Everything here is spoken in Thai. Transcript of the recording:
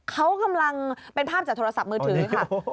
เขากำลังเป็นภาพจากโทรศัพท์มือถือค่ะ